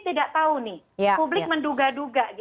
tidak tahu nih publik menduga duga